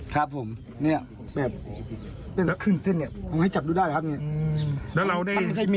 ครับผมเนี่ยแบบขึ้นเส้นเนี่ยเอาให้จับดูได้ครับเนี่ย